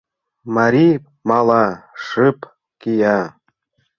Мари мала, шып кия...